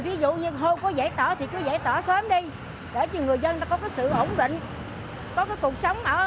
ví dụ như không có giải tỏa thì cứ giải tỏa sớm đi để người dân có sự ổn định có cuộc sống ở